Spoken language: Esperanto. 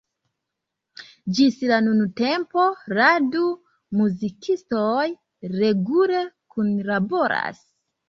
Ĝis la nuntempo la du muzikistoj regule kunlaboras.